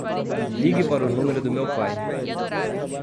Ligue para o número do meu pai.